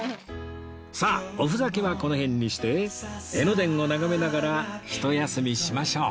さあおふざけはこの辺にして江ノ電を眺めながらひと休みしましょう